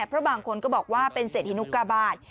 เพราะบางคนก็บอกว่าเป็นเศรษฐินุกาบาท